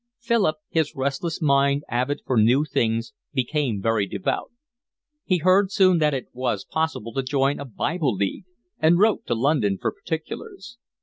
Philip, his restless mind avid for new things, became very devout. He heard soon that it was possible to join a Bible League, and wrote to London for particulars.